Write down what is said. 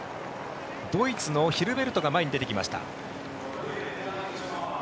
ドイツのヒルベルトが前に出てきました。